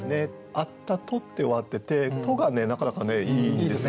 「あったと」って終わってて「と」がなかなかいいですね。